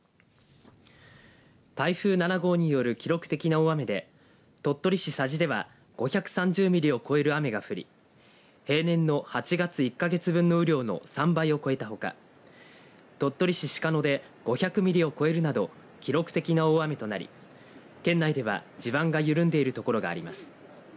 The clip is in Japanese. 台風７号による記録的な大雨で鳥取市佐治では５３０ミリを超える雨が降り平年の８月１か月分の雨量の３倍を超えたほか鳥取市鹿野で５００ミリを超えるなど記録的な大雨となり県内では地盤が緩んでいるところがあります。